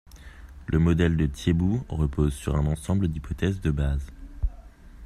Le modèle de Tiebout repose sur un ensemble d'hypothèses de base.